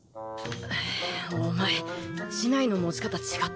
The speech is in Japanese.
お前竹刀の持ち方違ってねえか？